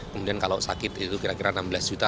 kemudian kalau sakit itu kira kira enam belas juta